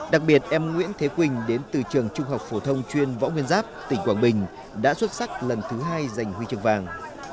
đặc biệt em nguyễn thế quỳnh đến từ trường trung học phổ thông chuyên võ nguyên giáp tỉnh quảng bình đã xuất sắc lần thứ hai dành huy chương vàng